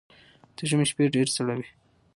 ده ژمی شپه ډیره سړه وی